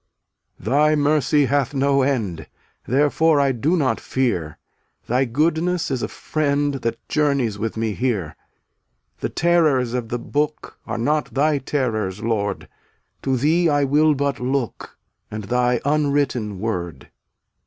244 Thy mercy hath no end, Therefore I do not fear; Thy goodness is a friend That journeys with me here. The terrors of the Book Are not Thy terrors, Lord; To Thee I will but look, And Thy unwritten Word.